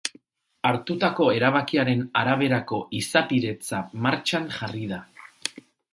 Hartutako erabakiaren araberako izapidetza martxan jarri da.